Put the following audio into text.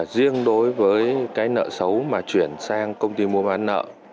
riêng đối với cái nợ xấu mà chuyển sang công ty mua bán nợ